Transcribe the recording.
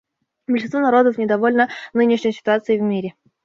Большинство народов недовольно нынешней ситуацией в мире.